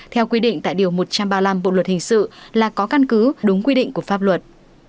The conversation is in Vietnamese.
theo quy định tại điều một trăm ba mươi năm bộ luật hình sự là có căn cứ đúng quy định của pháp luật